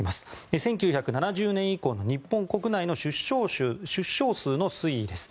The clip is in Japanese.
１９７０年以降の日本国内の出生数の推移です。